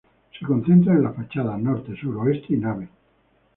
Se concentran en las fachadas norte, sur, oeste y nave.